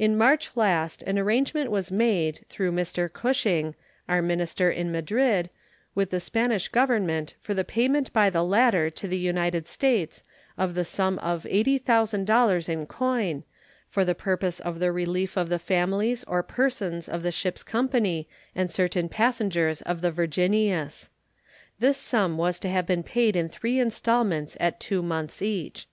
In March last an arrangement was made, through Mr. Cushing, our minister in Madrid, with the Spanish Government for the payment by the latter to the United States of the sum of $80,000 in coin, for the purpose of the relief of the families or persons of the ship's company and certain passengers of the Virginius. This sum was to have been paid in three installments at two months each.